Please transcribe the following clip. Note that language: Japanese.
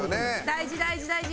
大事大事大事。